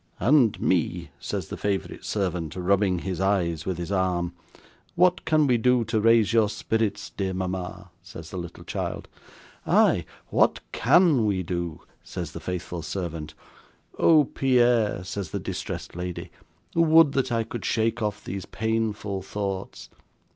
"And me!" says the favourite servant, rubbing his eyes with his arm. "What can we do to raise your spirits, dear mama?" says the little child. "Ay, what CAN we do?" says the faithful servant. "Oh, Pierre!" says the distressed lady; "would that I could shake off these painful thoughts."